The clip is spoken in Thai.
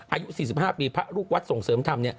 อายุ๔๕ปีพระลูกวัดส่งเสริมธรรม